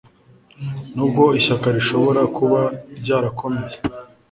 nubwo ishyaka rishobora kuba ryarakomeye,